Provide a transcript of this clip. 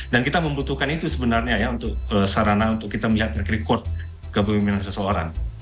dan kita membutuhkan itu sebenarnya ya untuk sarana untuk kita melihat rekord ke pemimpinan seseorang